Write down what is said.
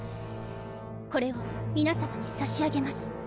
これを皆さまに差し上げます。